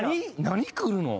何くるの？